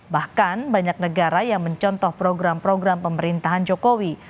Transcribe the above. bahkan banyak negara yang mencontoh program program pemerintahan jokowi